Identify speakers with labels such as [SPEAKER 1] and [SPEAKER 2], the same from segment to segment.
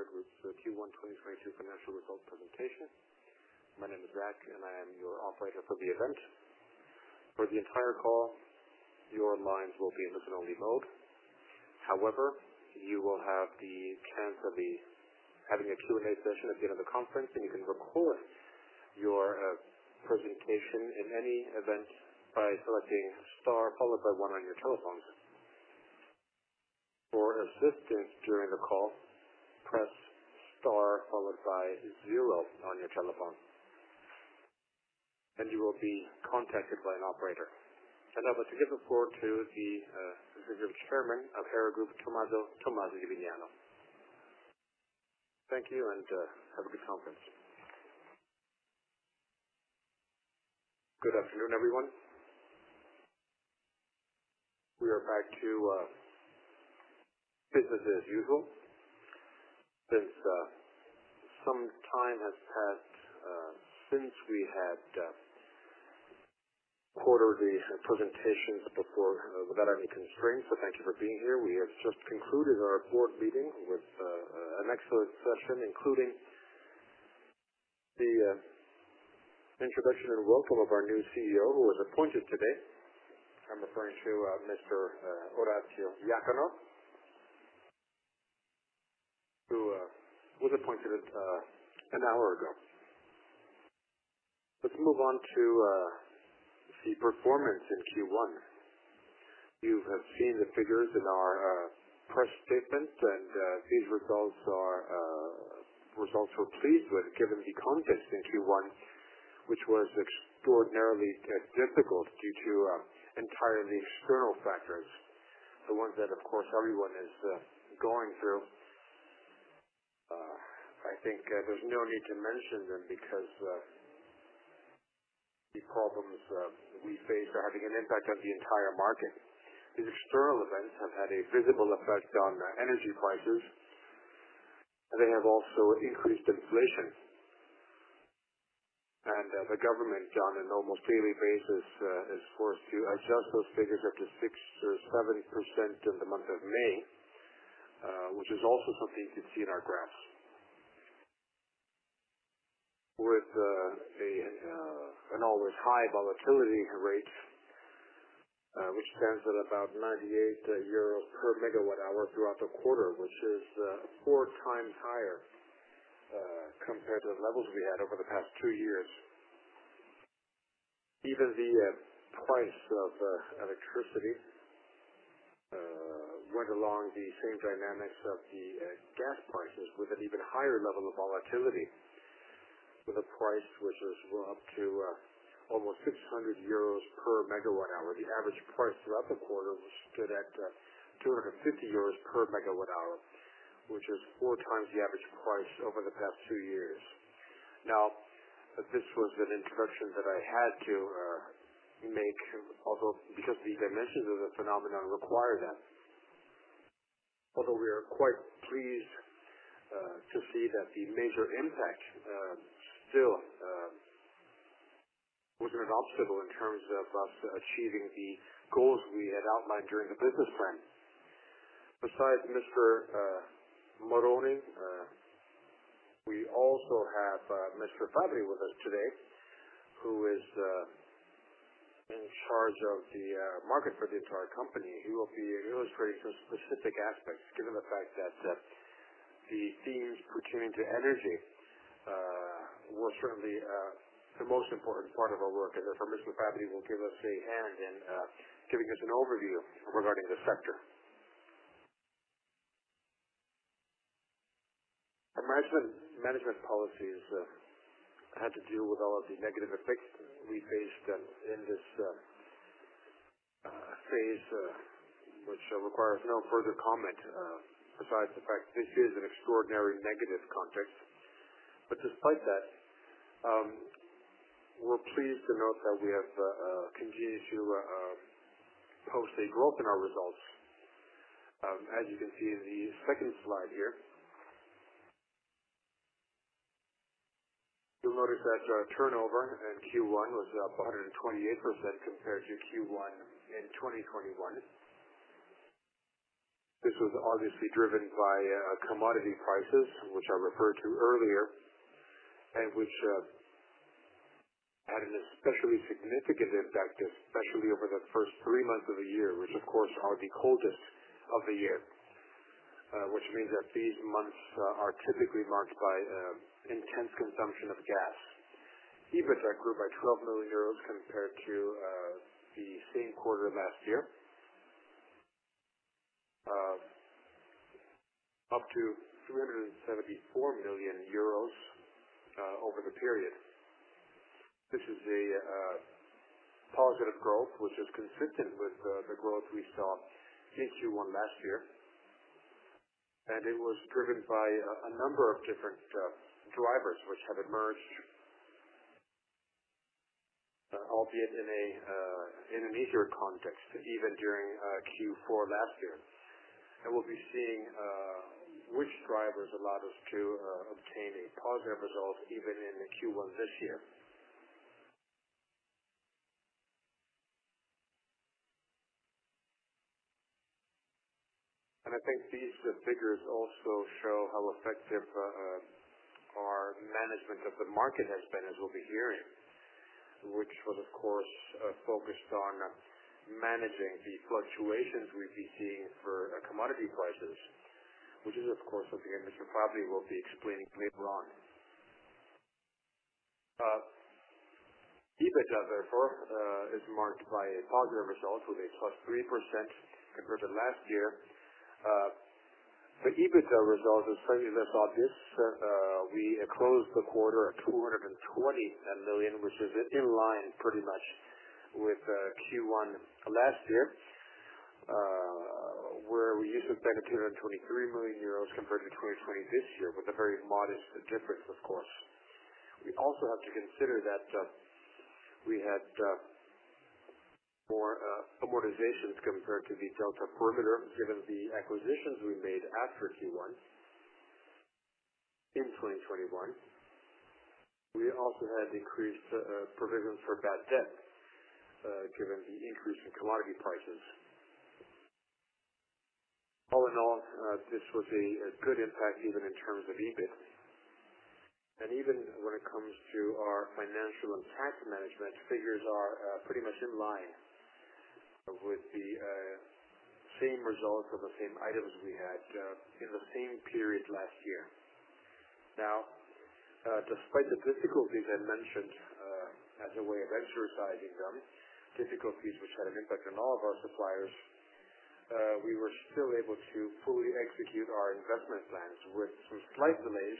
[SPEAKER 1] Welcome to Hera Group's Q1 2022 financial results presentation. My name is Jack, and I am your operator for the event. For the entire call, your lines will be in listen only mode. However, you will have the chance of having a Q&A session at the end of the conference, and you can record your presentation in any event by selecting star followed by one on your telephones. For assistance during the call, press star followed by zero on your telephone, and you will be contacted by an operator. Now I'll hand it over to the Executive Chairman of Hera Group, Tomaso Tommasi di Vignano. Thank you, and have a good conference.
[SPEAKER 2] Good afternoon, everyone. We are back to business as usual since some time has passed since we had quarterly presentations before without any constraints. Thank you for being here. We have just concluded our board meeting with an excellent session, including the introduction and welcome of our new CEO, who was appointed today. I'm referring to Mr. Orazio Iacono, who was appointed an hour ago. Let's move on to the performance in Q1. You have seen the figures in our press statement, and these results we're pleased with, given the context in Q1, which was extraordinarily difficult due to entirely external factors, the ones that, of course, everyone is going through. I think there's no need to mention them because the problems we face are having an impact on the entire market. These external events have had a visible effect on energy prices. They have also increased inflation. The government, on an almost daily basis, is forced to adjust those figures up to 6 or 7% in the month of May, which is also something you can see in our graphs. With an always high volatility rate, which stands at about 98 euros per megawatt hour throughout the quarter, which is four times higher compared to the levels we had over the past two years. Even the price of electricity went along the same dynamics of the gas prices with an even higher level of volatility, with a price which is up to almost 600 euros per megawatt hour. The average price throughout the quarter stood at 250 euros per megawatt hour, which is four times the average price over the past two years. Now, this was an introduction that I had to make, although because the dimensions of the phenomenon require that. Although we are quite pleased to see that the major impact still wasn't noticeable in terms of us achieving the goals we had outlined during the business plan. Besides Mr. Moroni, we also have Mr. Fabbri with us today, who is in charge of the market for the entire company, who will be illustrating some specific aspects, given the fact that the themes pertaining to energy were certainly the most important part of our work. Therefore, Mr. Fabbri will give us a hand in giving us an overview regarding this sector. Our management policies had to do with all of the negative effects we faced in this phase, which requires no further comment besides the fact this is an extraordinary negative context. Despite that, we're pleased to note that we have continued to post a growth in our results. As you can see in the second slide here. You'll notice that turnover in Q1 was up 128% compared to Q1 in 2021. This was obviously driven by commodity prices, which I referred to earlier, and which had an especially significant impact, especially over the first three months of the year, which of course are the coldest of the year, which means that these months are typically marked by intense consumption of gas. EBITDA grew by 12 million euros compared to the same quarter last year, up to 274 million euros over the period. This is a positive growth, which is consistent with the growth we saw in Q1 last year, and it was driven by a number of different drivers which have emerged, albeit in an easier context, even during Q4 last year. We'll be seeing which drivers allowed us to obtain a positive result even in the Q1 this year. I think these figures also show how effective our management of the market has been, as we'll be hearing, which was, of course, focused on managing the fluctuations we've been seeing for commodity prices, which is, of course, something Mr. Fabbri will be explaining later on. EBITDA, therefore, is marked by a positive result with a +3% compared to last year. The EBITDA result is slightly less obvious. We closed the quarter at 220 million, which is in line pretty much with Q1 last year, where we used to spend 223 million euros compared to 220 million this year, with a very modest difference, of course. We also have to consider that we had more amortizations compared to the delta perimeter, given the acquisitions we made after Q1 in 2021. We also had increased provisions for bad debt, given the increase in commodity prices. All in all, this was a good impact even in terms of EBIT. Even when it comes to our financial and tax management, figures are pretty much in line with the same results or the same items we had in the same period last year. Now, despite the difficulties I mentioned as a way of exercising them, difficulties which had an impact on all of our suppliers. We were still able to fully execute our investment plans with some slight delays,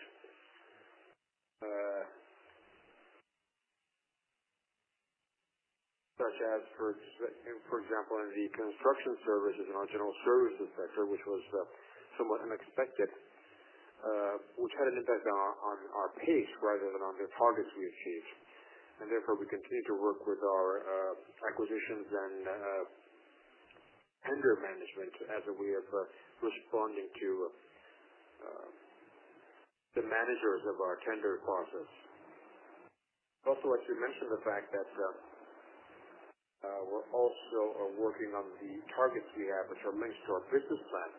[SPEAKER 2] such as, for example, in the construction services and our general services sector, which was somewhat unexpected, which had an impact on our pace rather than on the targets we achieved. Therefore, we continue to work with our acquisitions and tender management as a way of responding to the managers of our tender process. Also, I should mention the fact that we're also working on the targets we have, which are linked to our business plan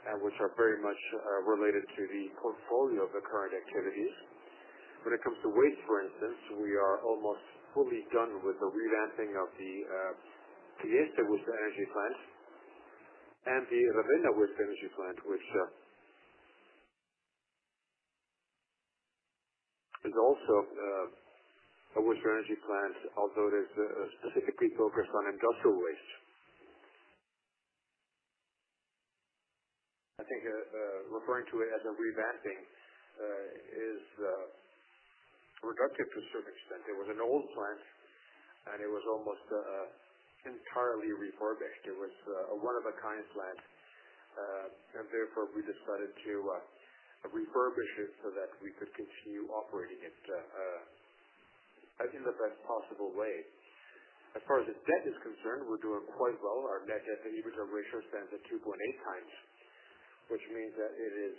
[SPEAKER 2] and which are very much related to the portfolio of the current activities. When it comes to waste, for instance, we are almost fully done with the revamping of the Trieste waste-to-energy plant and the Ravenna waste-to-energy plant, which is also a waste-to-energy plant, although it is specifically focused on industrial waste. I think referring to it as a revamping is reductive to a certain extent. It was an old plant, and it was almost entirely refurbished. It was a one-of-a-kind plant and therefore, we decided to refurbish it so that we could continue operating it in the best possible way. As far as debt is concerned, we're doing quite well. Our net debt to EBITDA ratio stands at 2.8 times, which means that it is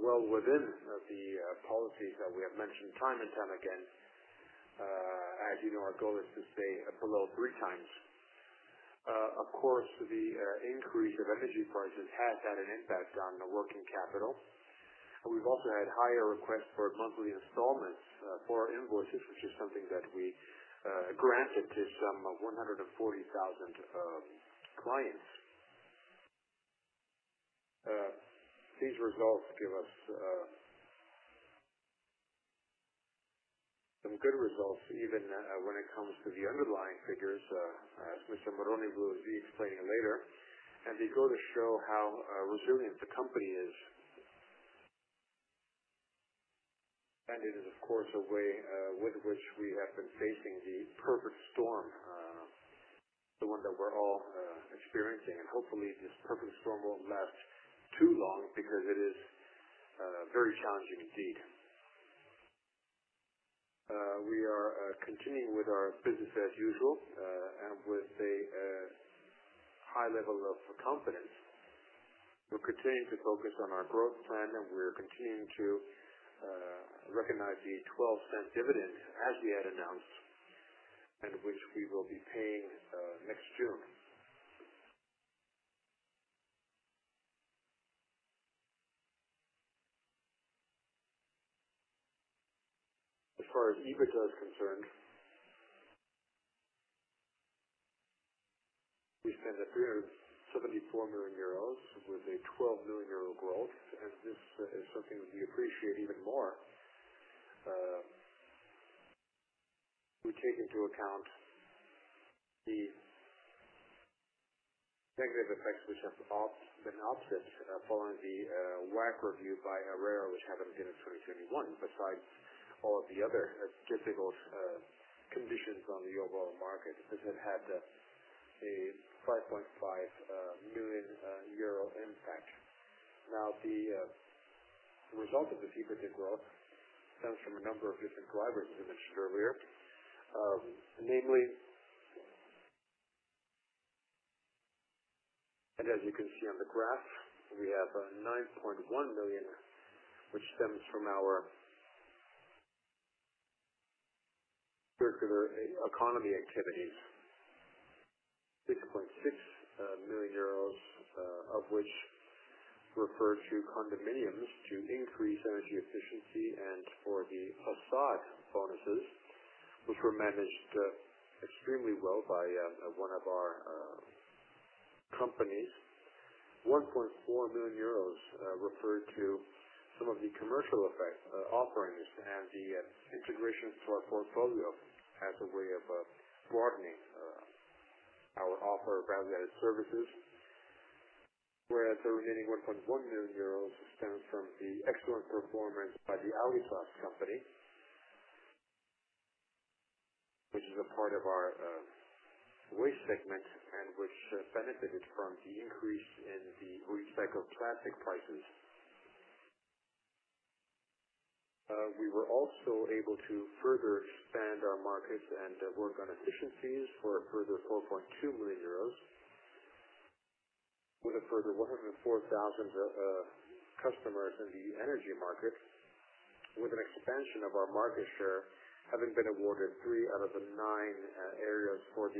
[SPEAKER 2] well within the policies that we have mentioned time and time again. As you know, our goal is to stay below three times. Of course, the increase of energy prices has had an impact on the working capital. We've also had higher requests for monthly installments for our invoices, which is something that we granted to some 140,000 clients. These results give us some good results, even when it comes to the underlying figures, as Mr. Moroni will be explaining later, and they go to show how resilient the company is. It is, of course, a way with which we have been facing the perfect storm, the one that we're all experiencing. Hopefully, this perfect storm won't last too long because it is very challenging indeed. We are continuing with our business as usual, and with a high level of confidence. We're continuing to focus on our growth plan, and we're continuing to recognize the 0.12 dividend as we had announced, and which we will be paying next June. As far as EBITDA is concerned, we stand at 374 million euros with a 12 million euro growth, and this is something we appreciate even more, if we take into account the negative effects which have been offset, following the WACC review by ARERA, which happened in 2021, besides all of the other difficult conditions on the overall market, which have had a 5.5 million euro impact. Now, the result of the EBITDA growth stems from a number of different drivers we mentioned earlier. Namely... As you can see on the graph, we have 9.1 million, which stems from our circular economy activities, 6.6 million euros of which refer to condominiums to increase energy efficiency and for the facade bonuses, which were managed extremely well by one of our companies. 1.4 million euros referred to some of the commercial offerings and the integration into our portfolio as a way of broadening our offer of value-added services. Whereas the remaining 1.1 million euros stems from the excellent performance by the Aliplast company, which is a part of our waste segment and which benefited from the increase in the recycled plastic prices. We were also able to further expand our markets and work on efficiencies for a further 4.2 million euros. With a further 104,000 customers in the energy market, with an expansion of our market share, having been awarded three out of the nine areas for the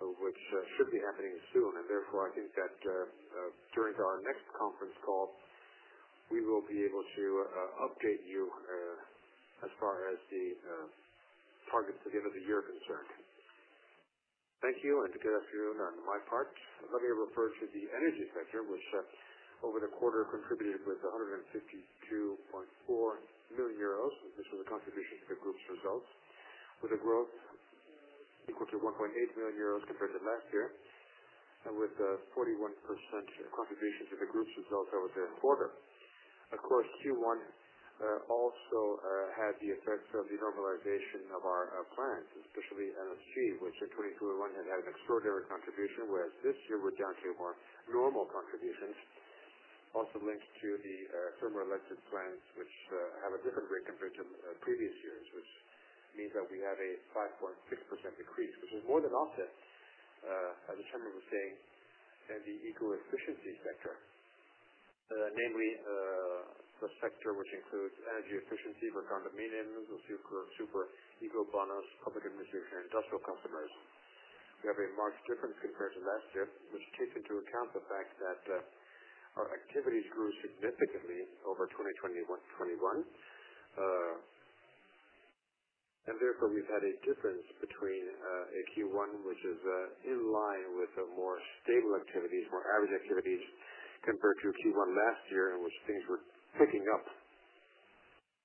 [SPEAKER 2] thank you. To get us through on my part. Let me refer to the energy sector, which over the quarter contributed with 152.4 million euros. This was a contribution to the group's results. With a growth equal to 1.8 million euros compared to last year, and with 41% contribution to the group's results over the quarter. Of course, Q1 also had the effects of the normalization of our plants, especially NSG, which in 2021 had had an extraordinary contribution, whereas this year we're down to a more normal contribution. Linked to the thermal electric plants, which have a different rate compared to previous years, which means that we have a 5.6% decrease, which is more than offset, as I was saying in the eco-efficiency sector. Namely, the sector which includes energy efficiency for condominiums, Superbonus, Ecobonus, public administration, industrial customers. We have a marked difference compared to last year, which takes into account the fact that our activities grew significantly over 2021, and therefore we've had a difference between a Q1, which is in line with more stable activities, more average activities compared to Q1 last year, in which things were picking up.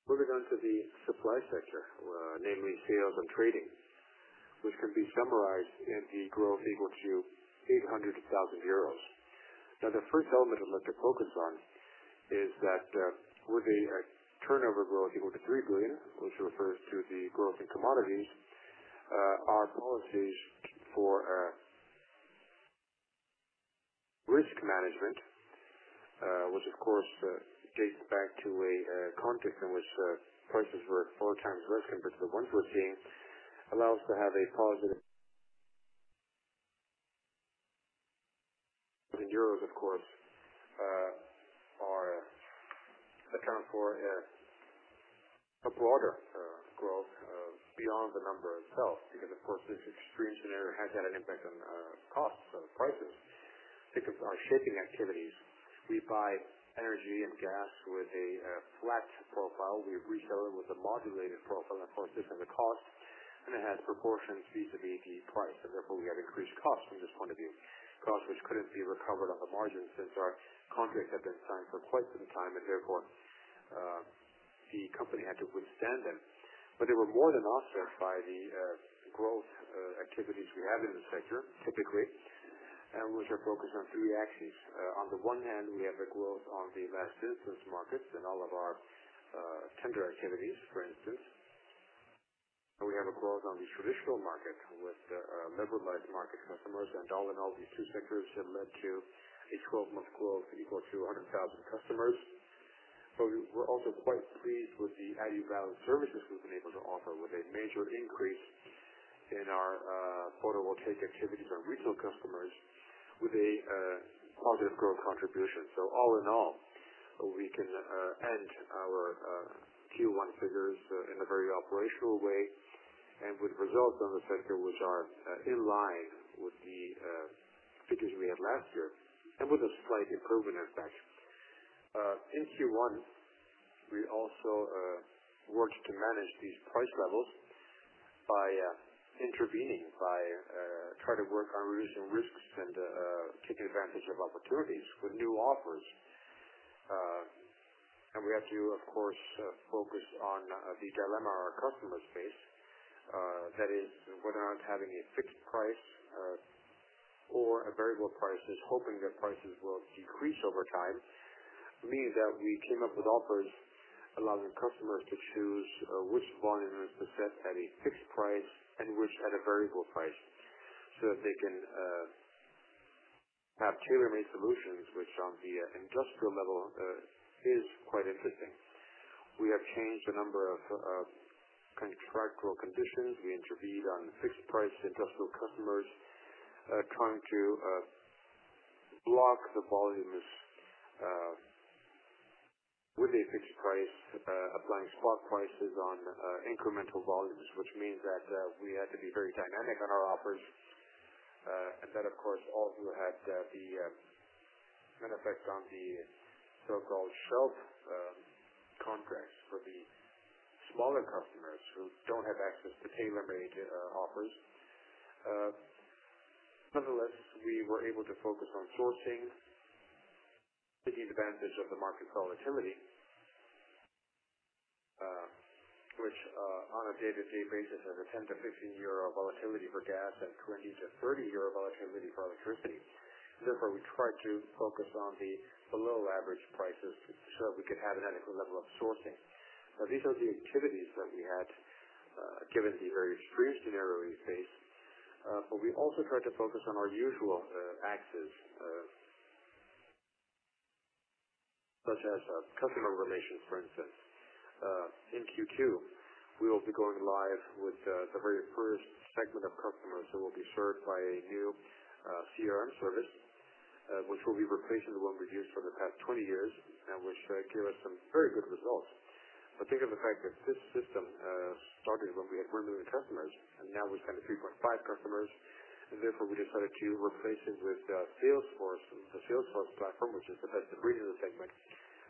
[SPEAKER 2] Moving on to the supply sector, namely sales and trading, which can be summarized in the growth equal to 800,000 euros. Now, the first element I'd like to focus on is that, with a turnover growth equal to 3 billion, which refers to the growth in commodities, our policies for risk management, which of course dates back to a context in which prices were four times less compared to what we're seeing, allows to have a positive. In euros, of course, account for a broader growth beyond the number itself, because of course this extreme scenario has had an impact on costs, prices. Because our selling activities, we buy energy and gas with a flat profile. We resell it with a modulated profile. Of course, this has a cost. It had a proportion vis-à-vis the price, and therefore, we had increased costs from this point of view, costs which couldn't be recovered on the margin since our contracts had been signed for quite some time, and therefore, the company had to withstand them. They were more than offset by the growth activities we have in the sector, typically, and which are focused on three axes. On the one hand, we have the growth on the mass business markets and all of our tender activities, for instance. We have a growth on the traditional market with the liberalized market customers. All in all, these two sectors have led to a 12-month growth equal to 100,000 customers. We're also quite pleased with the added-value services we've been able to offer, with a major increase in our photovoltaic activities and retail customers with a positive growth contribution. All in all, we can end our Q1 figures in a very operational way and with results on the sector which are in line with the figures we had last year and with a slight improvement, in fact. In Q1, we also worked to manage these price levels by intervening, by trying to work on reducing risks and taking advantage of opportunities with new offers. We had to, of course, focus on the dilemma our customers face, that is whether or not having a fixed price or a variable price is hoping that prices will decrease over time, meaning that we came up with offers allowing customers to choose which volumes to set at a fixed price and which at a variable price, so that they can have tailor-made solutions, which on the industrial level is quite interesting. We have changed a number of contractual conditions. We intervened on fixed price to industrial customers, trying to block the volumes with a fixed price, applying spot prices on incremental volumes, which means that we had to be very dynamic on our offers. Of course, also had an effect on the so-called shelf contracts for the smaller customers who don't have access to tailor-made offers. Nonetheless, we were able to focus on sourcing, taking advantage of the market volatility, which on a day-to-day basis has a 10-15 euro volatility for gas and 20-30 euro volatility for electricity. Therefore, we tried to focus on the below-average prices so that we could have an adequate level of sourcing. Now, these are the activities that we had given the very extreme scenario we faced, but we also tried to focus on our usual axes, such as customer relations, for instance. In Q2, we will be going live with the very first segment of customers who will be served by a new CRM service, which will be replacing the one we've used for the past 20 years and which gave us some very good results. Think of the fact that this system started when we had one million customers, and now we have 30.5 million customers, and therefore, we decided to replace it with Salesforce. The Salesforce platform, which is the best of breed in the segment.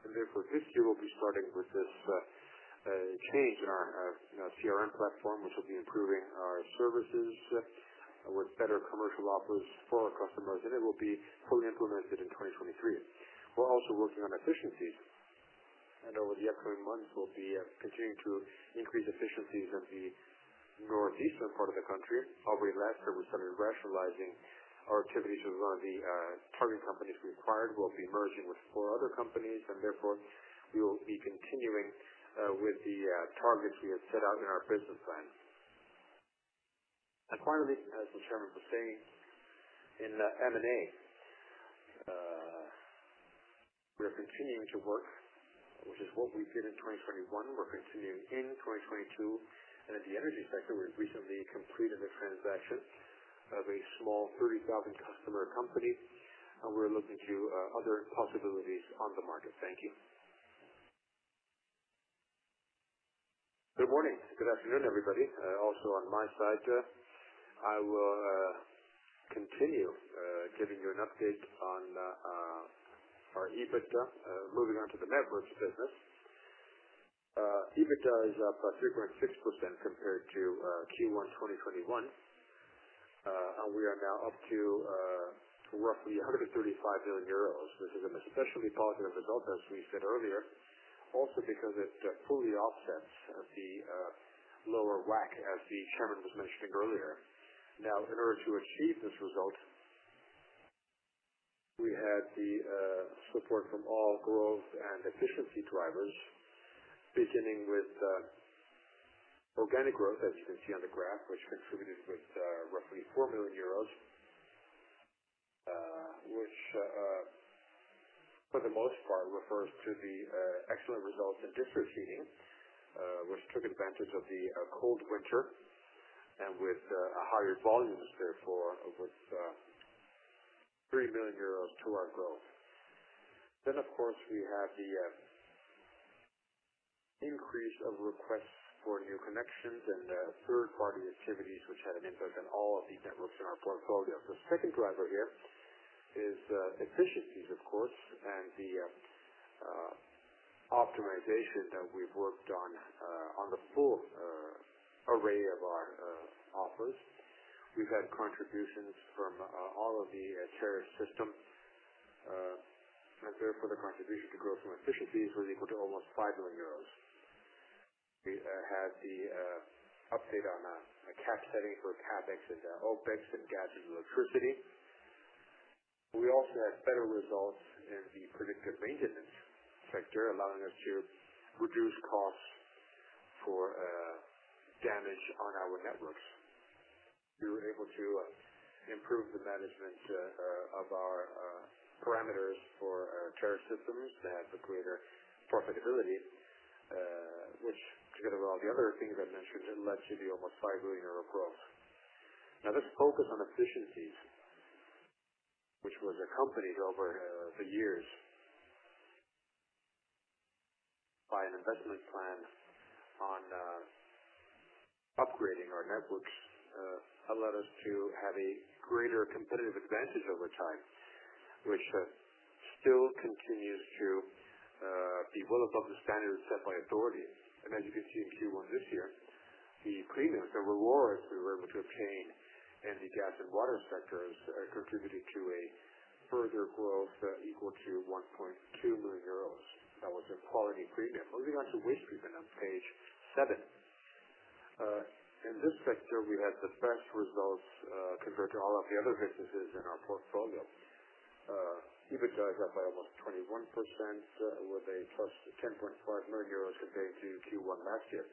[SPEAKER 2] Therefore, this year we'll be starting with this change in our, you know, CRM platform, which will be improving our services with better commercial offers for our customers, and it will be fully implemented in 2023. We're also working on efficiencies, and over the upcoming months, we'll be continuing to increase efficiencies in the northeastern part of the country. Already last year, we started rationalizing our activities around the target companies required. We'll be merging with four other companies, and therefore, we will be continuing with the targets we have set out in our business plan. Finally, as the chairman was saying, in M&A, we are continuing to work, which is what we did in 2021. We're continuing in 2022. In the energy sector, we've recently completed a transaction of a small 30,000-customer company, and we're looking to other possibilities on the market. Thank you. Good morning. Good afternoon, everybody. Also on my side, I will continue giving you an update on our EBITDA, moving on to the Networks business. EBITDA is up by 3.6% compared to Q1 2021. We are now up to roughly 135 million euros, which is an especially positive result, as we said earlier, also because it fully offsets the lower WACC, as the chairman was mentioning earlier. Now, in order to achieve this result, we had the support from all growth and efficiency drivers, beginning with organic growth, as you can see on the graph, which contributed with roughly 4 million euros, which for the most part refers to the excellent results in district heating, which took advantage of the cold winter and with a higher volume, therefore, with 3 million euros to our growth. Of course, we had the increase of requests for new connections and third-party activities which had an impact on all of the networks in our portfolio. The second driver here is efficiencies, of course, and the optimization that we've worked on on the full array of our offers. We've had contributions from all of the tariff system, and therefore, the contribution to growth from efficiencies was equal to almost 5 million euros. We had the update on a cap setting for CapEx and OpEx in gas and electricity. We also had better results in the predictive maintenance sector, allowing us to reduce costs for damage on our networks. We were able to improve the management of our parameters for our tariff systems to have a greater profitability, which together with all the other things I mentioned, it led to the almost 5 million euro growth. Now, this focus on efficiencies, which was accompanied over the years by an investment plan on upgrading our networks, allowed us to have a greater competitive advantage over time, which still continues to be well above the standards set by authorities. As you can see in Q1 this year, the premiums and rewards we were able to obtain in the gas and water sectors contributed to a further growth equal to 1.2 million euros. That was a quality premium. Moving on to waste treatment on page seven. In this sector, we had the best results compared to all of the other businesses in our portfolio. EBITDA is up by almost 21%, with a +10.5 million euros compared to Q1 last year.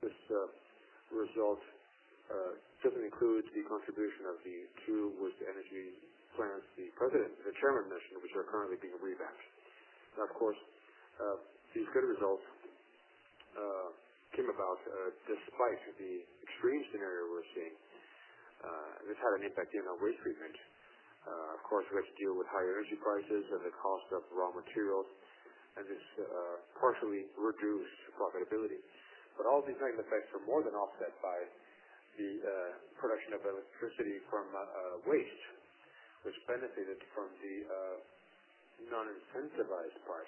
[SPEAKER 2] This result doesn't include the contribution of the two waste-to-energy plants the chairman mentioned, which are currently being revamped. Now, of course, these good results came about despite the extreme scenario we're seeing. This had an impact in our waste treatment. Of course, we had to deal with higher energy prices and the cost of raw materials, and this partially reduced profitability. But all these negative effects were more than offset by the production of electricity from waste, which benefited from the non-incentivized part.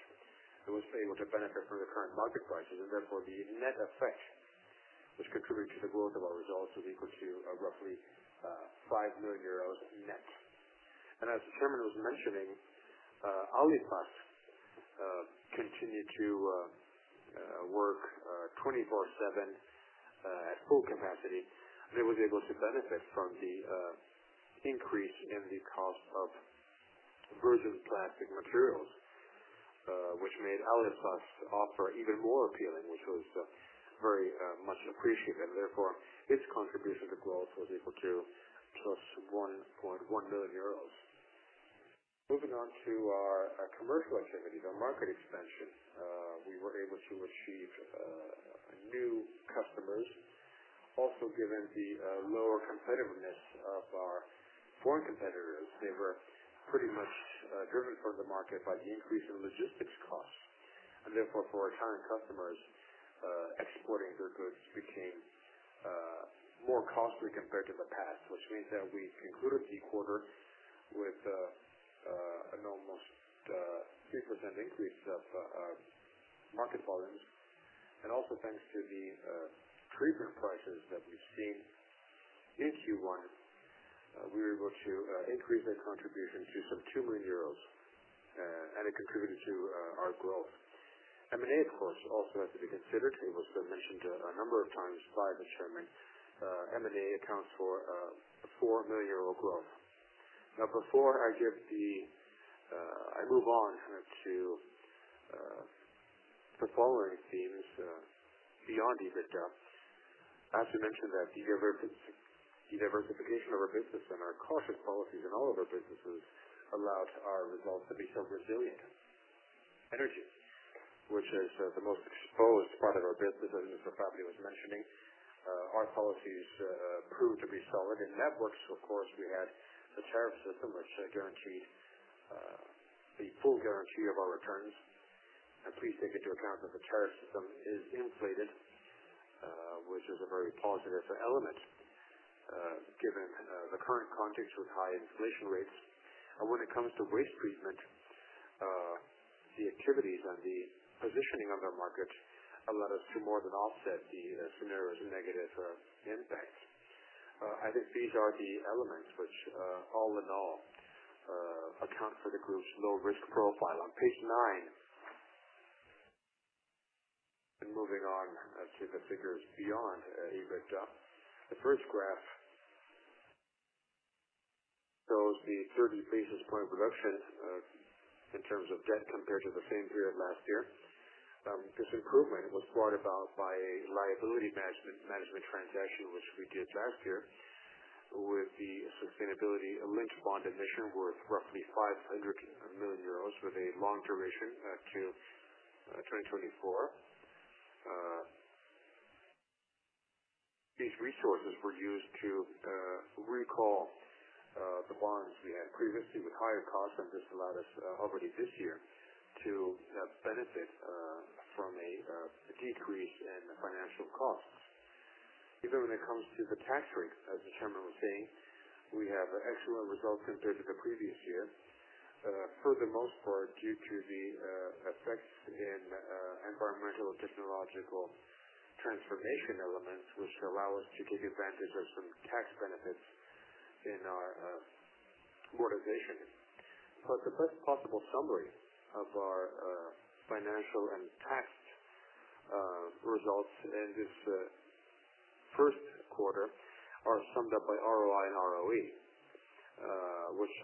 [SPEAKER 2] It was able to benefit from the current market prices, and therefore, the net effect, which contributed to the growth of our results, was equal to roughly 5 million euros net. As the chairman was mentioning, Aliplast continues to work 24/7 at full capacity. It was able to benefit from the increase in the cost of virgin plastic materials, which made Aliplast offer even more appealing, which was very much appreciated. Therefore, its contribution to growth was equal to +1.1 million euros. Moving on to our commercial activity, our market expansion. We were able to achieve new customers. Also, given the lower competitiveness of our foreign competitors, they were pretty much driven from the market by the increase in logistics costs. Therefore, for our current customers, exporting their goods became more costly compared to the past, which means that we concluded the quarter with an almost 3% increase of our market volumes. Thanks to the treatment prices that we've seen in Q1, we were able to increase that contribution to some 2 million euros, and it contributed to our growth. M&A, of course, also has to be considered. It was mentioned a number of times by the chairman. M&A accounts for 4 million euro growth. Now, before I move on to the following themes, beyond EBITDA, I have to mention that the diversification of our business and our caution policies in all of our businesses allowed our results to be so resilient. Energy, which is the most exposed part of our business, as Mr. Fabbri was mentioning, our policies proved to be solid. In networks, of course, we had the tariff system which guaranteed the full guarantee of our returns. Please take into account that the tariff system is inflated, which is a very positive element, given the current context with high inflation rates. When it comes to waste treatment, the activities and the positioning of their markets allowed us to more than offset the scenario's negative impact. I think these are the elements which, all in all, account for the group's low risk profile. On page nine. Moving on to the figures beyond EBITDA. The first graph shows the 30 basis point reduction in terms of debt compared to the same period last year. This improvement was brought about by a liability management transaction, which we did last year, with the sustainability-linked bond issuance worth roughly 500 million euros with a long duration to 2024. These resources were used to recall the bonds we had previously with higher costs, and this allowed us already this year to benefit from a decrease in the financial costs. Even when it comes to the tax rate, as the chairman was saying, we have excellent results compared to the previous year, for the most part, due to the effects of environmental technological transformation elements, which allow us to take advantage of some tax benefits in our organization. The best possible summary of our financial and tax results in this first quarter are summed up by ROI and ROE, which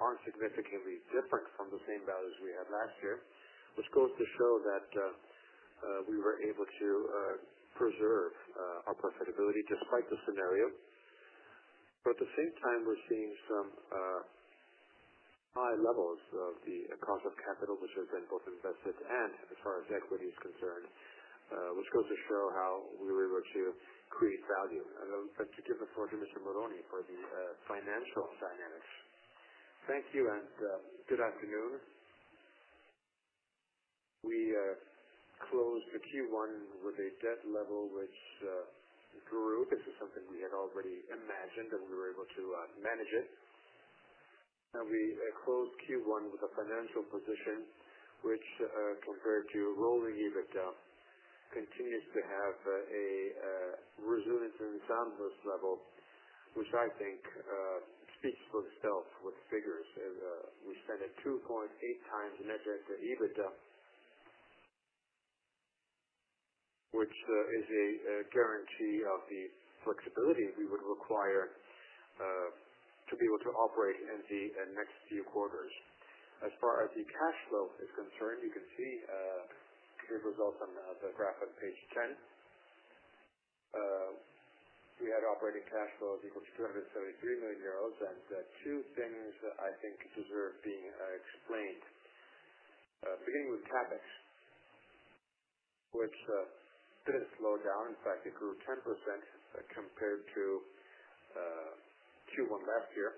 [SPEAKER 2] aren't significantly different from the same values we had last year, which goes to show that we were able to preserve our profitability despite the scenario. At the same time, we're seeing some high levels of the cost of capital, which has been both invested and as far as equity is concerned, which goes to show how we were able to create value. I'll let you give the floor to Mr. Moroni for the financial dynamics.
[SPEAKER 3] Thank you, and good afternoon. We closed the Q1 with a debt level which grew. This is something we had already imagined, and we were able to manage it. We closed Q1 with a financial position which, compared to rolling EBITDA, continues to have a resilient and sound risk level, which I think speaks for itself with figures. We spent at 2.8 times net debt to EBITDA, which is a guarantee of the flexibility we would require to be able to operate in the next few quarters. As far as the cash flow is concerned, you can see the results on the graph on page ten. We had operating cash flow equal to 73 million euros, and two things that I think deserve being explained. Beginning with CapEx, which didn't slow down. In fact, it grew 10% compared to Q1 last year.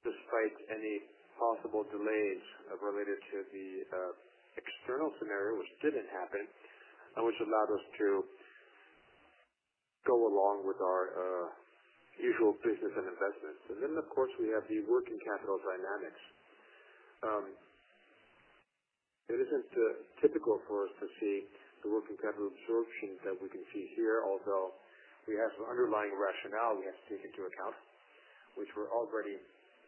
[SPEAKER 3] Despite any possible delays related to the external scenario, which didn't happen, and which allowed us to go along with our usual business and investments. Then, of course, we have the working capital dynamics. It isn't typical for us to see the working capital absorption that we can see here. Although we have some underlying rationale we have to take into account, which were already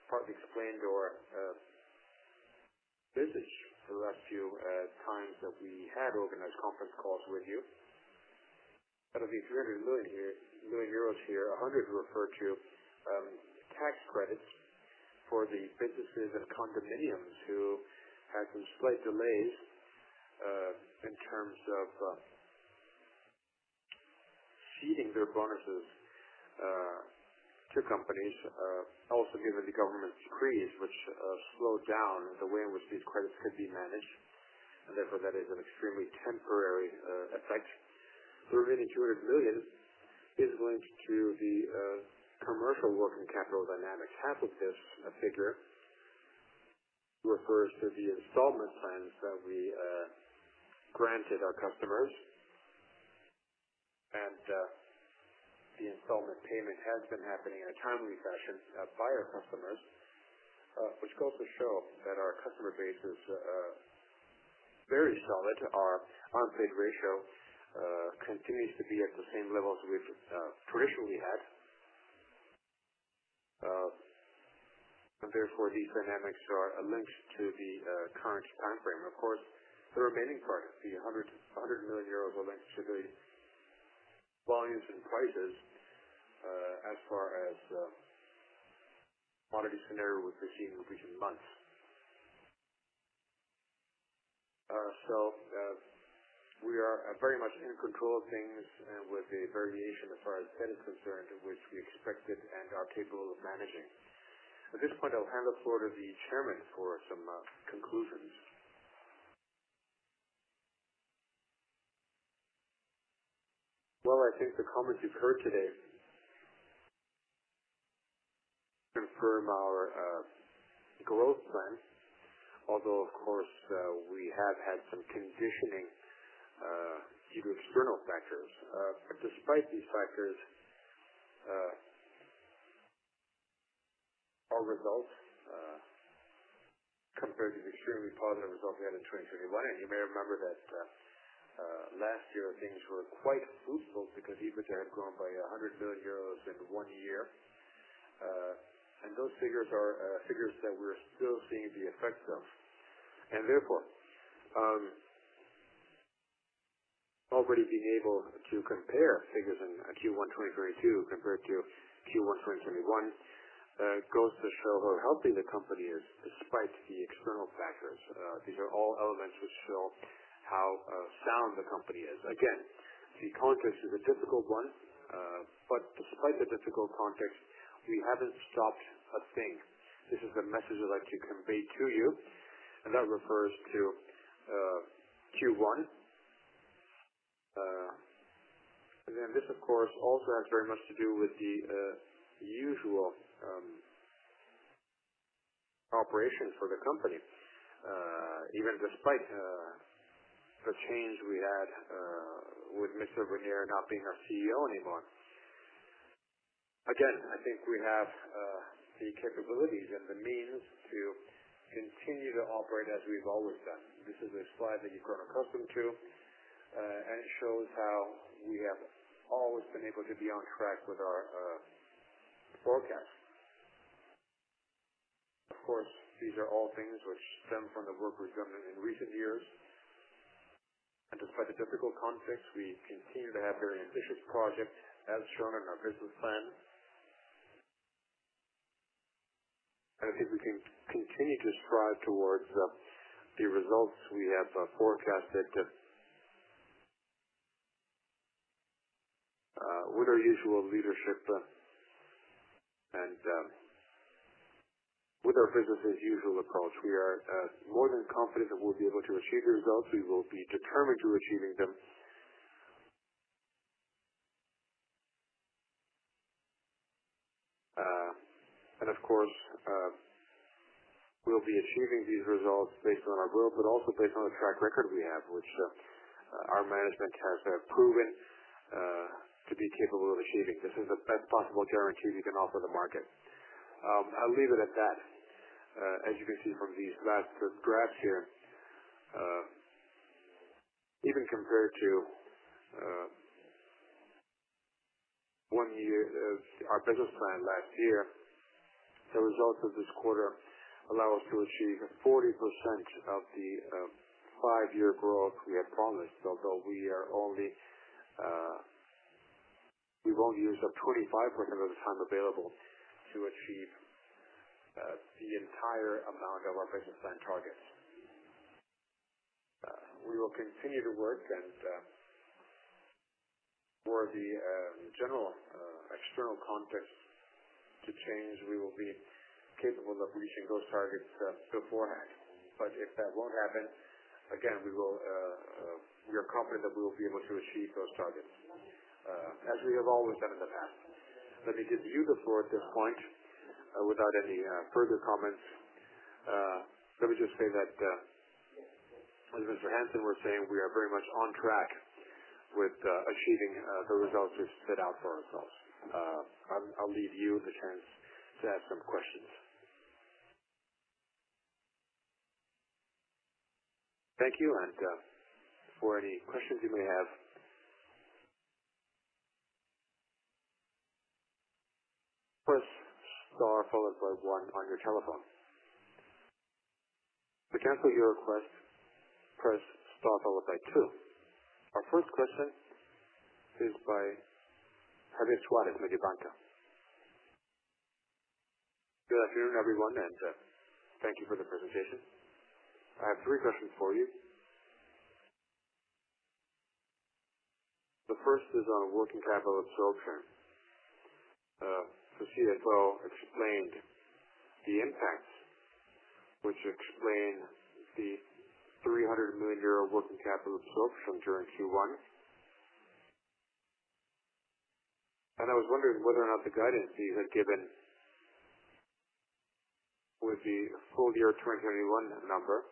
[SPEAKER 3] partly explained or visited the last few times that we had organized conference calls with you. Out of the 300 million euros here, 100 refer to tax credits for the businesses and condominiums who had some slight delays in terms of ceding their bonuses to companies. Also given the government's decrees, which slowed down the way in which these credits could be managed, and therefore, that is an extremely temporary effect. The remaining 200 million is linked to the commercial working capital dynamics. Half of this figure refers to the installment plans that we granted our customers. The installment payment has been happening in a timely fashion by our customers, which goes to show that our customer base is very solid. Our unpaid ratio continues to be at the same levels we've traditionally had. The dynamics are linked to the current time frame. Of course, the remaining part of the 100 million euros are linked to the volumes and prices as far as quantities scenario we're seeing within months. We are very much in control of things with a variation as far as debt is concerned, which we expected and are capable of managing. At this point, I'll hand the floor to the chairman for some conclusions. Well, I think the comments you've heard today confirm our growth plan. Although, of course, we have had some conditioning due to external factors. Despite these factors, our results, compared to the extremely positive results we had in 2021. You may remember that last year, things were quite fruitful because EBITDA had grown by 100 million euros in one year. Those figures are figures that we're still seeing the effects of. Therefore, already being able to compare figures in Q1 2022 compared to Q1 2021 goes to show how healthy the company is despite the external factors. These are all elements which show how sound the company is. Again, the context is a difficult one. Despite the difficult context, we haven't stopped a thing. This is the message I'd like to convey to you, and that refers to Q1. Then this of course also has very much to do with the usual operation for the company. Even despite the change we had with Mr. Venier not being our CEO anymore. Again, I think we have the capabilities and the means to continue to operate as we've always done. This is a slide that you've grown accustomed to, and it shows how we have always been able to be on track with our forecast. Of course, these are all things which stem from the work we've done in recent years. Despite the difficult context, we continue to have very ambitious projects as shown in our business plan. I think we can continue to strive towards the results we have forecasted. With our usual leadership and with our business as usual approach, we are more than confident that we'll be able to achieve the results. We will be determined to achieving them. Of course, we'll be achieving these results based on our growth, but also based on the track record we have, which our management has proven to be capable of achieving. This is the best possible guarantee you can offer the market. I'll leave it at that. As you can see from these last graphs here, even compared to one year, our business plan last year, the results of this quarter allow us to achieve 40% of the five-year growth we had promised. Although we are only, we've only used up 25% of the time available to achieve the entire amount of our business plan targets. We will continue to work and for the general external context to change, we will be capable of reaching those targets beforehand. If that won't happen, again, we are confident that we will be able to achieve those targets as we have always done in the past. Let me give you the floor at this point without any further comments. Let me just say that as Mr. Hansen was saying, we are very much on track with achieving the results we've set out for ourselves. I'll leave you the chance to ask some questions. Thank you. For any questions you may have.
[SPEAKER 1] Press star followed by one on your telephone. To cancel your request, press star followed by two. Our first question is by Javier Suarez, Mediobanca.
[SPEAKER 4] Good afternoon, everyone, and thank you for the presentation. I have three questions for you. The first is on working capital absorption. The CFO explained the impacts which explain the 300 million euro working capital absorption during Q1. I was wondering whether or not the guidance you had given with the full-year 2021 number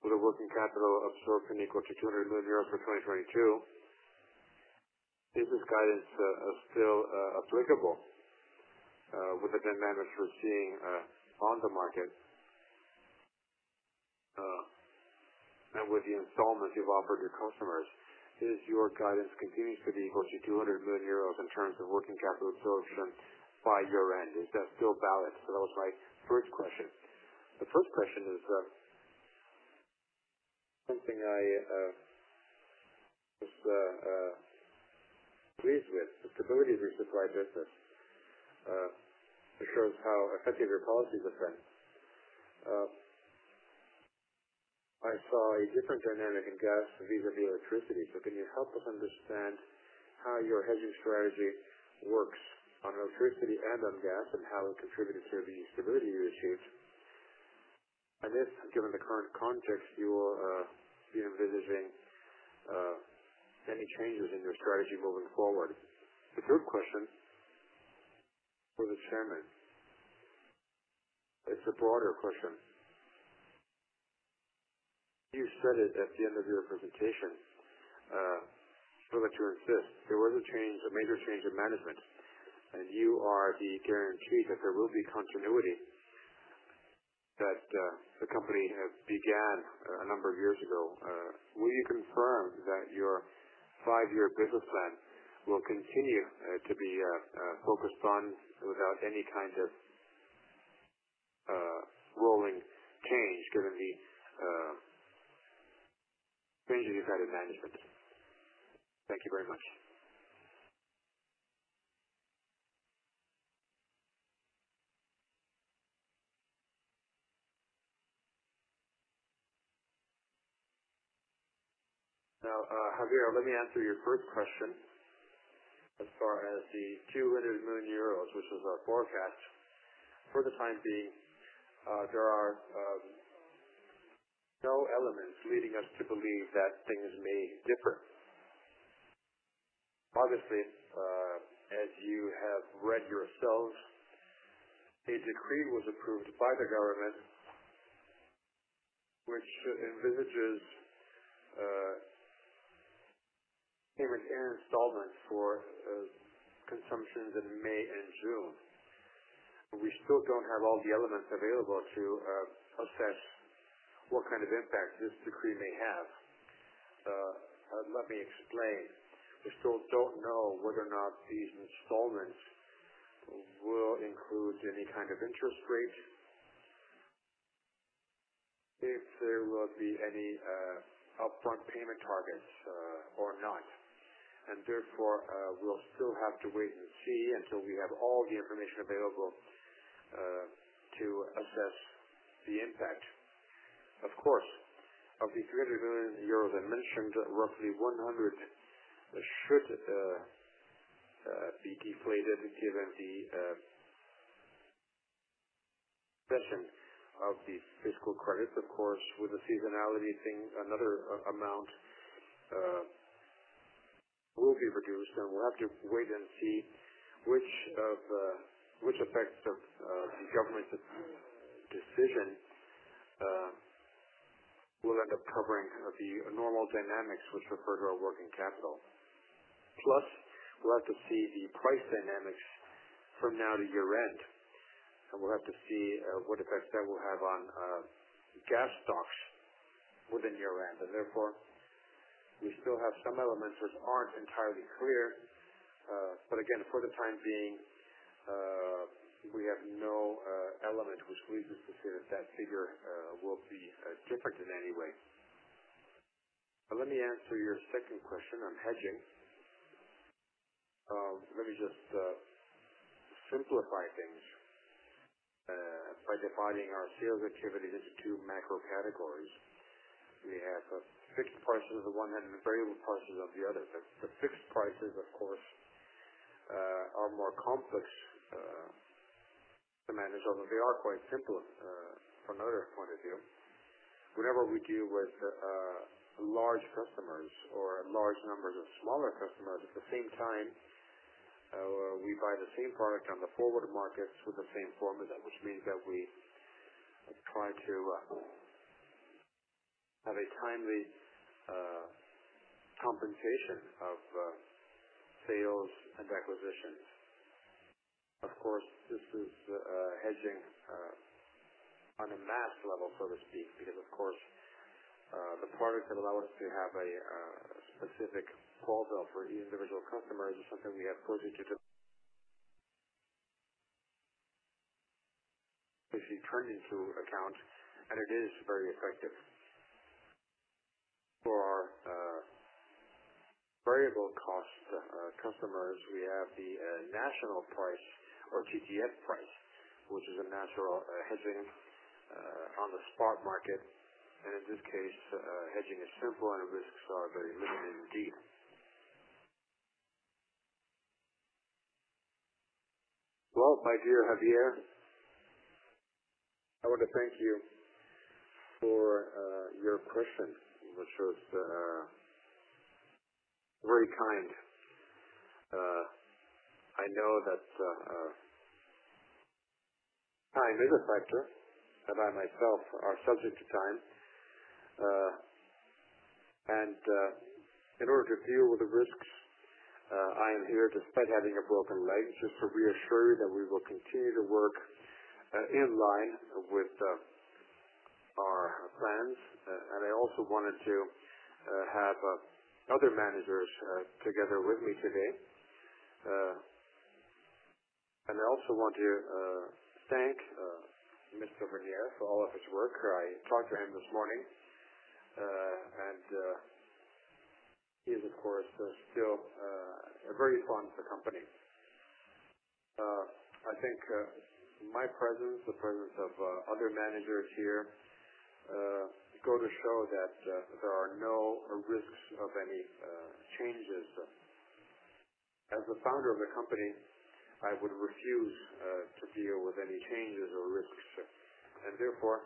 [SPEAKER 4] with a working capital absorption equal to 200 million euros for 2022. Is this guidance still applicable with what the management is seeing on the market? With the installments you've offered your customers, does your guidance continue to be equal to 200 million euros in terms of working capital absorption by year-end? Is that still valid? That was my first question. The first question is something I was pleased with. The stability of your supply business, it shows how effective your policies have been. I saw a different dynamic in gas vis-à-vis electricity, so can you help us understand how your hedging strategy works on electricity and on gas and how it contributed to the stability you achieved? If, given the current context, you will be envisaging any changes in your strategy moving forward? The third question for the chairman. It's a broader question. You said it at the end of your presentation. I will let you insist. There was a change, a major change of management, and you are the guarantee that there will be continuity that the company has began a number of years ago. Will you confirm that your five-year business plan will continue to be focused on without any kind of rolling change given the change in your head of management? Thank you very much.
[SPEAKER 2] Now, Javier, let me answer your first question. As far as the 200 million euros, which is our forecast. For the time being, there are no elements leading us to believe that things may differ. Obviously, as you have read yourselves, a decree was approved by the government which envisages payment in installments for consumptions in May and June. We still don't have all the elements available to assess what kind of impact this decree may have. Let me explain. We still don't know whether or not these installments will include any kind of interest rates. If there will be any upfront payment targets or not. Therefore, we'll still have to wait and see until we have all the information available to assess the impact. Of course, of the 300 million euros I mentioned, roughly 100 should be deflated given the suspension of the fiscal credits. Of course, with the seasonality thing, another amount will be reduced. And we'll have to wait and see which effects of the government's decision will end up covering the normal dynamics which refer to our working capital. Plus, we'll have to see the price dynamics from now to year-end, and we'll have to see what effect that will have on gas stocks within year-end. Therefore, we still have some elements which aren't entirely clear. Again, for the time being, we have no element which leads us to say that that figure will be different in any way. Let me answer your second question on hedging. Let me just simplify things by defining our sales activity into two macro categories. We have a fixed prices on the one hand and variable prices on the other. The fixed prices, of course, are more complex to manage, although they are quite simple from another point of view. Whenever we deal with large customers or large numbers of smaller customers at the same time, we buy the same product on the forward markets with the same formula, which means that we try to have a timely compensation of sales and acquisitions. Of course, this is hedging on a mass level, so to speak, because, of course, the product that allow us to have a specific profile for each individual customer is something we have proceeded to take into account, and it is very effective. For our variable cost customers, we have the national price or TTF price, which is a natural hedging on the spot market. In this case, hedging is simple and the risks are very limited indeed. Well, my dear Javier, I want to thank you for your question, which was very kind. I know that time is a factor, and I myself are subject to time. In order to deal with the risks, I am here despite having a broken leg, just to reassure you that we will continue to work in line with our plans. I also wanted to have other managers together with me today. I also want to thank Mr. Venier for all of his work. I talked to him this morning, and he is, of course, still a very important to the company. I think my presence, the presence of other managers here, go to show that there are no risks of any changes. As the founder of the company, I would refuse to deal with any changes or risks. Therefore,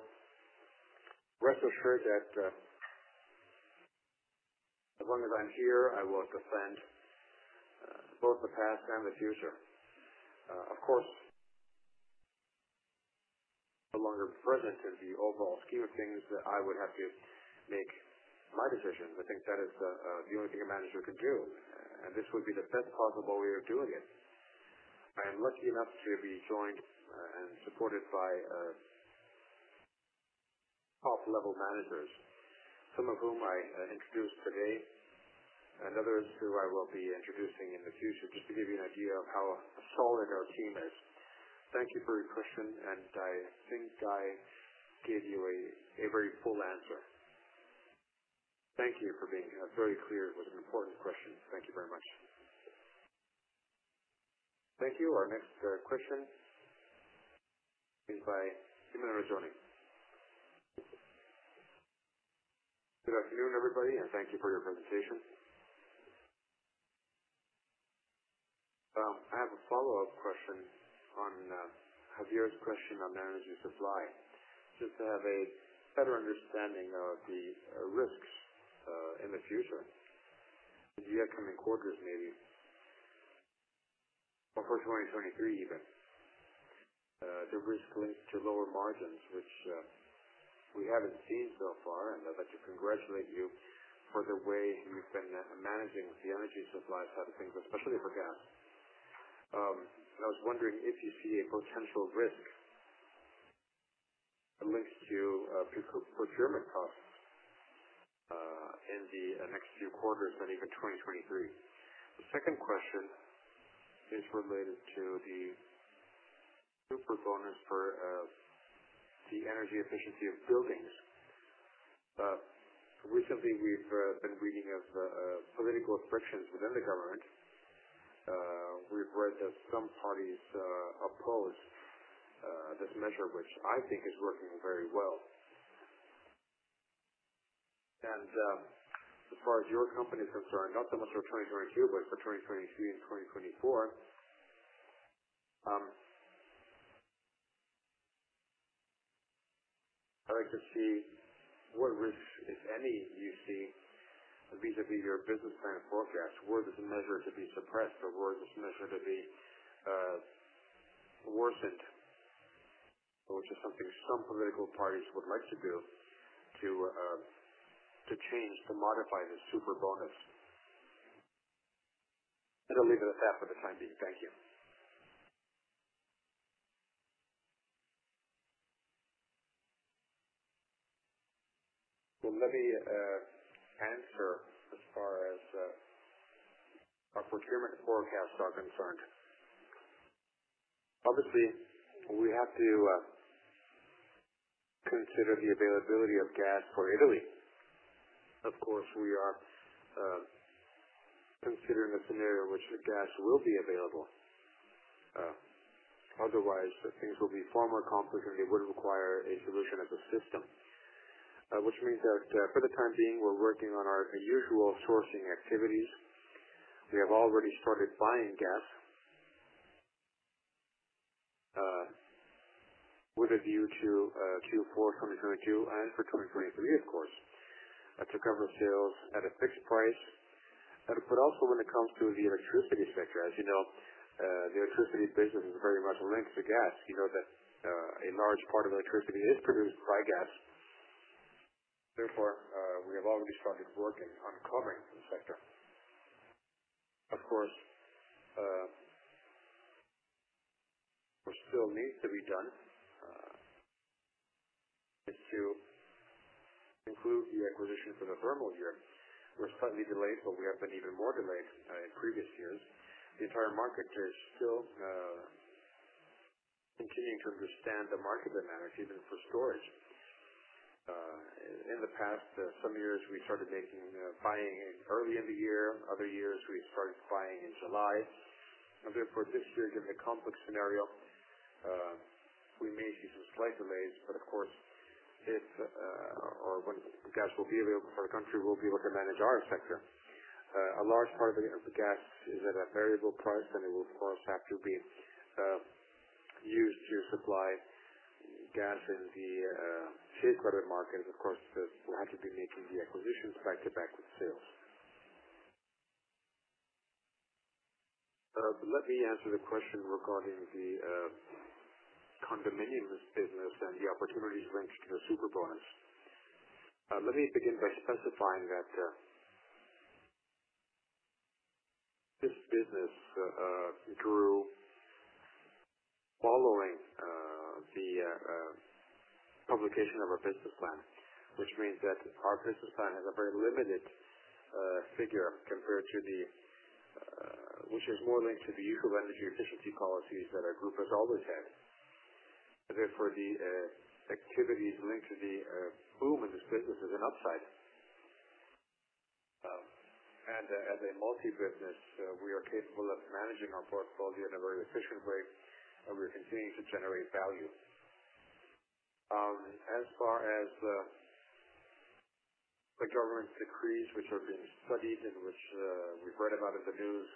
[SPEAKER 2] rest assured that, as long as I'm here, I will defend, both the past and the future. Of course, no longer present in the overall scheme of things that I would have to make my decisions. I think that is, the only thing a manager could do, and this would be the best possible way of doing it. I am lucky enough to be joined, and supported by, top-level managers, some of whom I, introduced today, and others who I will be introducing in the future, just to give you an idea of how solid our team is. Thank you for your question, and I think I gave you a very full answer. Thank you for being, very clear with an important question. Thank you very much.
[SPEAKER 1] Thank you. Our next question is by.
[SPEAKER 5] Good afternoon, everybody, and thank you for your presentation. I have a follow-up question on Javier's question on energy supply. Just to have a better understanding of the risks in the future, in the upcoming quarters, maybe, or for 2023 even. The risk linked to lower margins, which we haven't seen so far. I'd like to congratulate you for the way you've been managing the energy supply side of things, especially for gas. I was wondering if you see a potential risk linked to procurement costs in the next few quarters and even 2023. The second question is related to the Superbonus for the energy efficiency of buildings. Recently we've been reading of political frictions within the government. We've read that some parties oppose this measure, which I think is working very well. As far as your company is concerned, not so much for 2022, but for 2023 and 2024, I'd like to see what risks, if any, you see vis-à-vis your business plan forecast. Were this measure to be suppressed or were this measure to be worsened, which is something some political parties would like to do to change, to modify the Superbonus. I'll leave it at that for the time being. Thank you.
[SPEAKER 2] Well, let me answer as far as our procurement forecasts are concerned. Obviously, we have to consider the availability of gas for Italy. Of course, we are considering a scenario in which the gas will be available. Otherwise things will be far more complicated. It would require a solution as a system. Which means that, for the time being, we're working on our usual sourcing activities. We have already started buying gas, with a view to Q4 2022 and for 2023, of course, to cover sales at a fixed price. But also when it comes to the electricity sector, as you know, the electricity business is very much linked to gas. You know that a large part of electricity is produced by gas. Therefore, we have already started working on covering the sector. Of course, what still needs to be done is to conclude the acquisition for the thermal year. We're slightly delayed, but we have been even more delayed in previous years. The entire market is still continuing to understand the market dynamics, even for storage. In the past, some years, we started buying early in the year. Other years, we started buying in July. Therefore, this year, given the complex scenario, we may see some slight delays. Of course, if or when gas will be available for our country, we'll be able to manage our sector. A large part of the gas is at a variable price, and it will correspond to being used to supply gas in the shade credit market. Of course, we'll have to be making the acquisitions back-to-back with sales. Let me answer the question regarding the condominiums business and the opportunities linked to the Superbonus. Let me begin by specifying that this business grew following the publication of our business plan, which means that our business plan has a very limited figure compared to the which is more linked to the usual energy efficiency policies that our group has always had. Therefore, the activities linked to the boom in this business is an upside. As a multi business, we are capable of managing our portfolio in a very efficient way, and we're continuing to generate value. As far as the government decrees, which are being studied and which we've read about in the news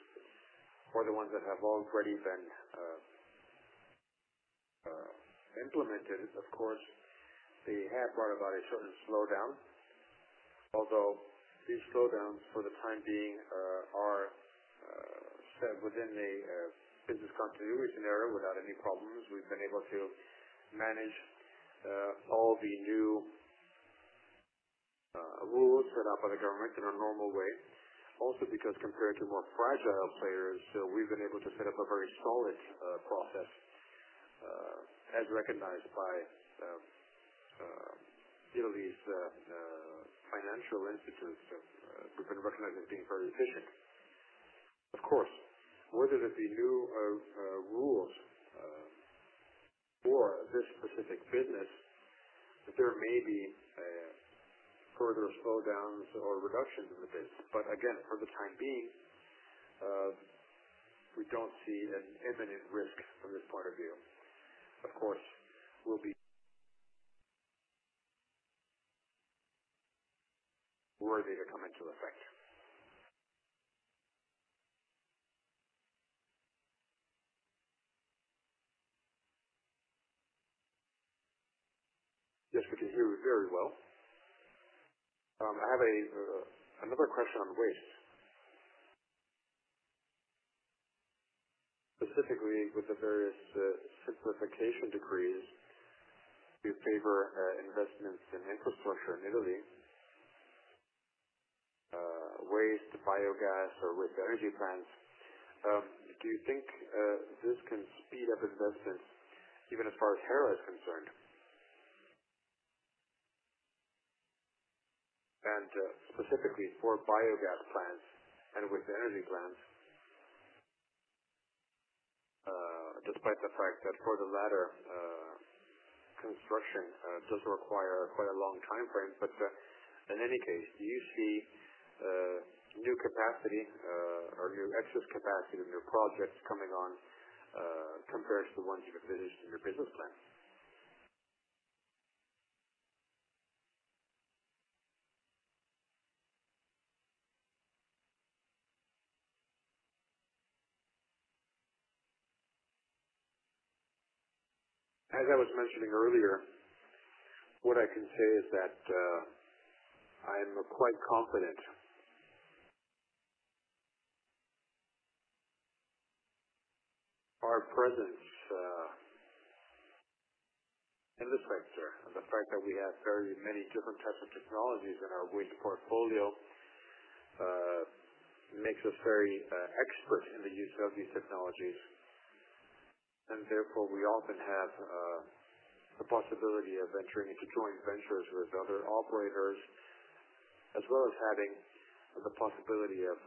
[SPEAKER 2] or the ones that have already been implemented, of course, they have brought about a certain slowdown. Although these slowdowns, for the time being, are set within a business continuity scenario without any problems. We've been able to manage all the new rules set up by the government in a normal way. Also, because compared to more fragile players, we've been able to set up a very solid process, as recognized by Italy's financial institutions that we've been recognized as being very efficient. Of course, were it that the new rules for this specific business, that there may be further slowdowns or reductions in the business. But again, for the time being, we don't see an imminent risk from this point of view. Of course, we'll be ready to come into effect. Yes, we can hear you very well. I have another question on waste.
[SPEAKER 5] Specifically with the various simplification decrees to favor investments in infrastructure in Italy, waste, biogas, or waste-to-energy plants. Do you think this can speed up investments even as far as Hera is concerned? Specifically for biogas plants and waste-to-energy plants, despite the fact that for the latter, construction does require quite a long time frame. In any case, do you see new capacity or new excess capacity, new projects coming on, compared to the ones you have finished in your business plan? As I was mentioning earlier, what I can say is that I'm quite confident.
[SPEAKER 2] Our presence in this sector and the fact that we have very many different types of technologies in our wind portfolio makes us very expert in the use of these technologies, and therefore, we often have the possibility of venturing into joint ventures with other operators, as well as having the possibility of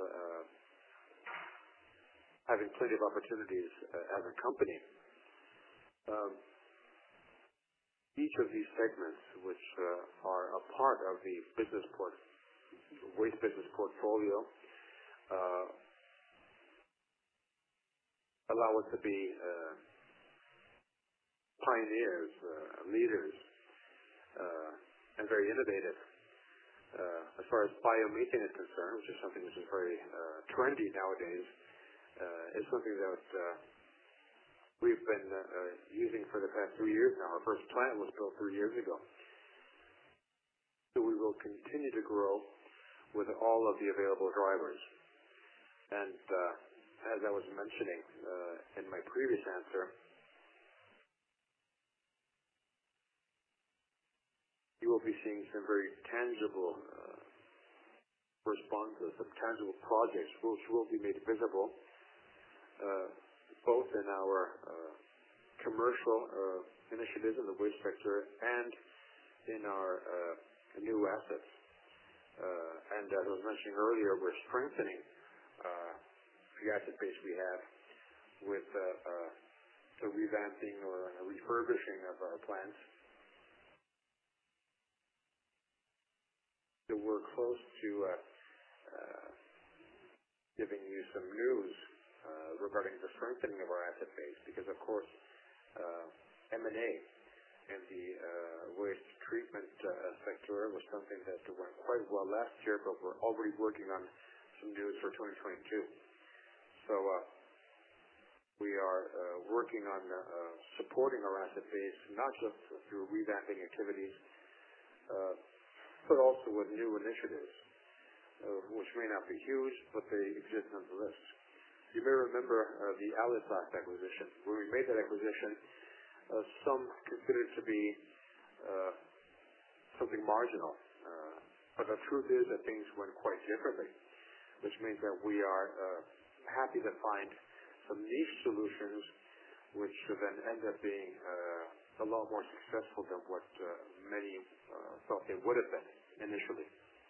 [SPEAKER 2] having plenty of opportunities as a company. Each of these segments, which are a part of the waste business portfolio, allow us to be pioneers, leaders, and very innovative as far as biomethane is concerned, which is something which is very trendy nowadays. It's something that we've been using for the past three years now. Our first plant was built three years ago. We will continue to grow with all of the available drivers. As I was mentioning in my previous answer, you will be seeing some very tangible responses, some tangible projects which will be made visible both in our commercial initiatives in the waste sector and in our new assets. As I was mentioning earlier, we're strengthening the asset base we have with the revamping or refurbishing of our plants. We're close to giving you some news regarding the strengthening of our asset base, because of course M&A in the waste treatment sector was something that went quite well last year, but we're already working on some news for 2022. We are working on supporting our asset base, not just through revamping activities, but also with new initiatives, which may not be huge, but they exist on the list. You may remember the Aliplast acquisition. When we made that acquisition, some considered it to be something marginal. But the truth is that things went quite differently, which means that we are happy to find some niche solutions which then end up being a lot more successful than what many thought they would have been initially.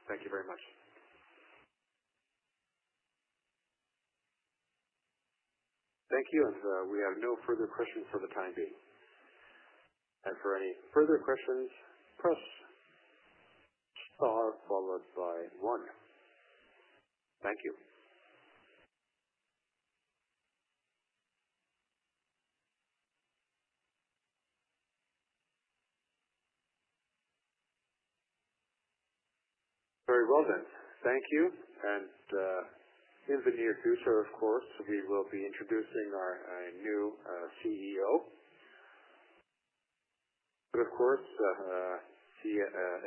[SPEAKER 2] Thank you very much.
[SPEAKER 1] Thank you. We have no further questions for the time being. For any further questions, press star followed by one. Thank you. Very well then. Thank you. In the near future, of course, we will be introducing our new CEO. Of course, the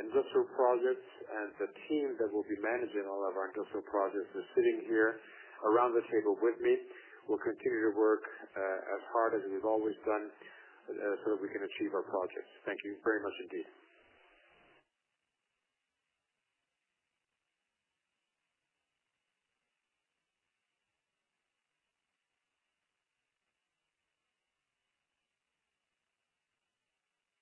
[SPEAKER 1] industrial projects and the team that will be managing all of our industrial projects are sitting here around the table with me. We'll continue to work as hard as we've always done, so we can achieve our projects. Thank you very much indeed.